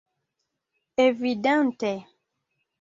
Evidente!